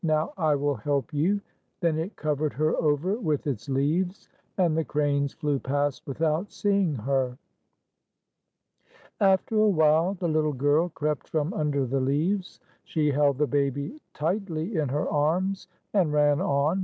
"Now I will help you." Then it covered her over with its leaves, and the cranes flew past without see ing her. After a while, the little girl crept from under the leaves. She held the baby tightly in her arms and ran on.